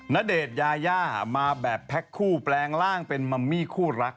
ณเดชน์ยายามาแบบแพ็คคู่แปลงร่างเป็นมัมมี่คู่รัก